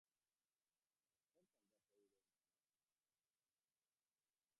Baina zertan datza euren lana?